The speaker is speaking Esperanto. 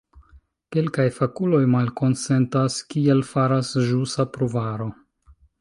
Kelkaj fakuloj malkonsentas, kiel faras ĵusa pruvaro.